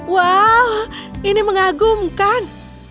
wow ini mengagumkan